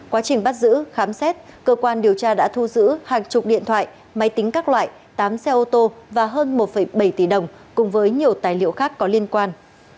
quá trình bắt giữ khám xét cơ quan điều tra đã thu giữ hàng chục điện thoại máy tính các loại tám xe ô tô và hơn một bảy tỷ đồng cùng với nhiều tài liệu khác có liên quan